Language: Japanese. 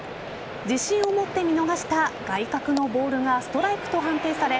自信をもって見逃した外角のボールがストライクと判定され